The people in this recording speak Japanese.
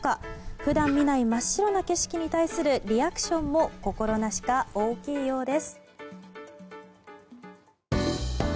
普段見ない真っ白な景色に対するリアクションも心なしか大きいようです。